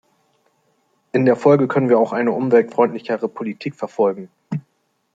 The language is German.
In der Folge können wir auch eine umweltfreundlichere Politik verfolgen.